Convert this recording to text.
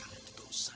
karena itu dosa